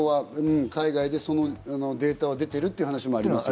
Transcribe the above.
海外でそういうデータは出ているという話もあります。